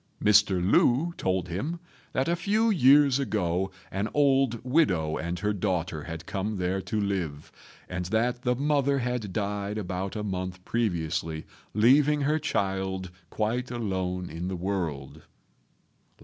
Mr. Lu told him that a few years ago an old widow and her daughter had come there to live, and that the mother had died about a month previously, leaving her child quite alone in the world.